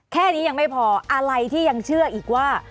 แค่นี้ยังไม่พออะไรที่ยังเชื่ออีกว่า